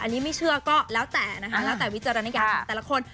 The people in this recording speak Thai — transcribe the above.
อันนี้ไม่เชื่อก็แล้วแต่นะคะแล้วแต่วิจารณญาณของแต่ละคน